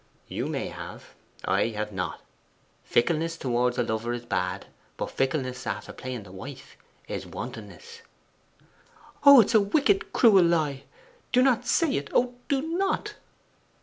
You may have: I have not. Fickleness towards a lover is bad, but fickleness after playing the wife is wantonness.' 'Oh, it's a wicked cruel lie! Do not say it; oh, do not!